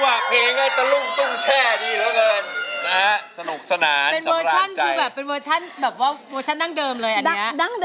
อยากเจอคนจริงใจมีไม่แถวนี้อยากเจอคนดีแถวนี้มีไม่เอิง